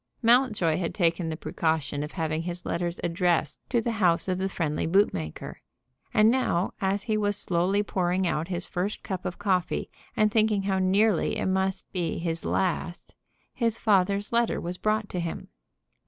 Mountjoy had taken the precaution of having his letters addressed to the house of the friendly bootmaker; and now, as he was slowly pouring out his first cup of coffee, and thinking how nearly it must be his last, his father's letter was brought to him.